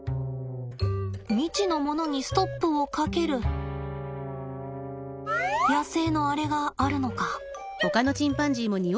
未知のものにストップをかける野生のアレがあるのか。